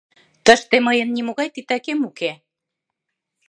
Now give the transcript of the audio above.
— Тыште мыйын нимогай титакем уке!